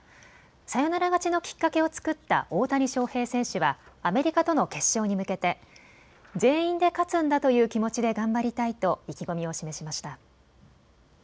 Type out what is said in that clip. サヨナラ勝ちのきっかけを作った大谷翔平選手はアメリカとの決勝に向けて全員で勝つんだという気持ちで頑張りたいと意気込みを示しました。